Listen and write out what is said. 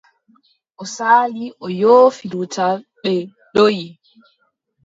O sali o yoofi dutal, ɓe ndoʼi.